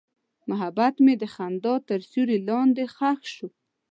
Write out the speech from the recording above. محبت مې د خندا تر سیوري لاندې ښخ شو.